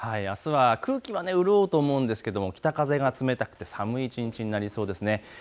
あすは空気は潤うと思うんですが北風が冷たくて寒い一日になりそうです。